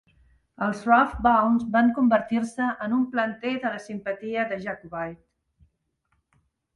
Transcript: Els Rough Bounds van convertir-se en un planter de la simpatia de Jacobite.